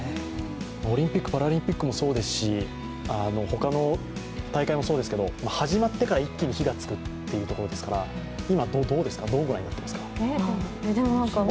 オリンピック・パラリンピックもそうですし、他の大会もそうですけど、始まってから一気に火がつきますから今、どうご覧になってますか？